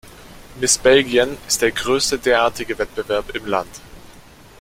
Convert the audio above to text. Miss Belgien ist der größte derartige Wettbewerb im Land.